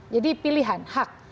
jadi pilihan hak